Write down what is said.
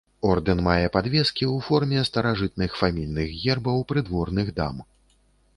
Ордэн мае падвескі ў форме старажытных фамільных гербаў прыдворных дам.